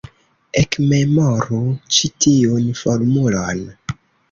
Ekmemoru ĉi tiun formulon.